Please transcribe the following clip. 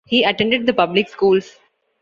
He attended the public schools.